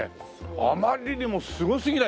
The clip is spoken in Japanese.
あまりにもすごすぎない？